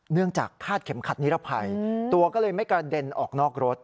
เนื่องจากคาดเข็มขัดนิรภัยตัวก็เลยไม่กระเด็นออกนอกรถ